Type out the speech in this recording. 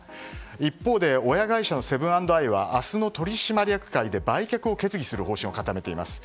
一方で親会社のセブン＆アイは明日の取締役会で売却を決議する方針を固めています。